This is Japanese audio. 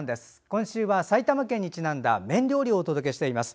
今週は埼玉県にちなんだ麺料理をお届けしています。